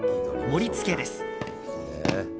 盛り付けです。